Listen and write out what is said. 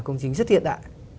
công trình rất hiện đại